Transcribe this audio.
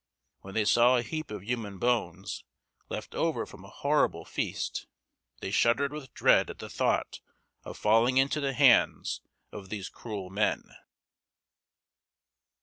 When they saw a heap of human bones, left over from a horrible feast, they shuddered with dread at the thought of falling into the hands of these cruel men.